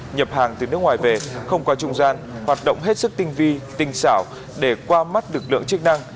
nhập hàng từ nước ngoài về không qua trung gian hoạt động hết sức tinh vi tinh xảo để qua mắt lực lượng chức năng